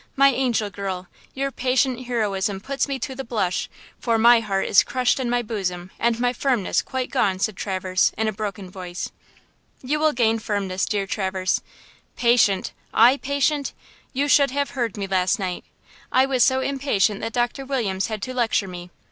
My angel girl! Your patient heroism puts me to the blush, for my heart is crushed in my bosom and my firmness quite gone!" said Traverse, in a broken voice. "You will gain firmness, dear Traverse. 'Patient!' I patient! You should have heard me last night! I was so impatient that Doctor Williams had to lecture me.